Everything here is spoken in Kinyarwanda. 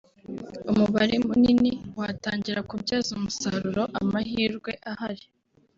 umubare munini watangira kubyaza umusaruro amahirwe ahari